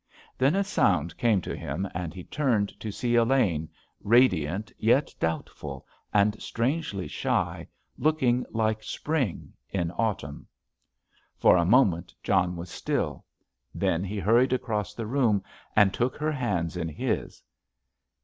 Then a sound came to him, and he turned to see Elaine, radiant yet doubtful, and strangely shy—looking like spring in autumn. For a moment John was still; then he hurried across the room and took her hands in his.